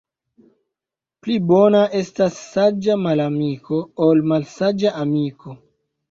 Pli bona estas saĝa malamiko, ol malsaĝa amiko.